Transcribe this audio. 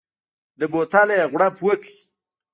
د بوتل نه يې غړپ وکړ.